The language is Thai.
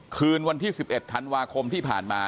คืนวันที่๑๑ธันวาคมที่ผ่านมา